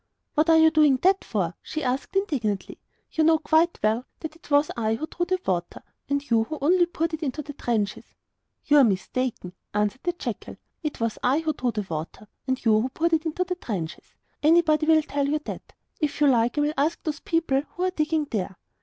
'What are you doing that for?' asked she indignantly. 'You know quite well that it was I who drew the water, and you who only poured it into the trenches.' 'You are mistaken,' answered the jackal. 'It was I who drew the water, and you who poured it into the trenches. Anybody will tell you that! If you like, I will ask those people who are digging there!